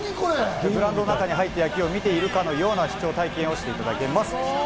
グラウンドの中に入って野球を見ているかのような視聴体験をしていただけます。